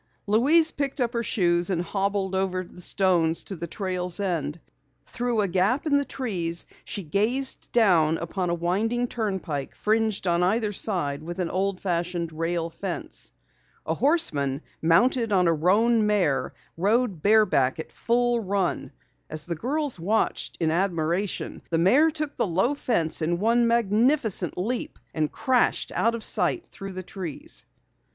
Louise picked up her shoes and hobbled over the stones to the trail's end. Through a gap in the trees she gazed down upon a winding turnpike fringed on either side with an old fashioned rail fence. A horseman, mounted on a roan mare, rode bareback at a full run. As the girls watched in admiration, the mare took the low fence in one magnificent leap and crashed out of sight through the trees.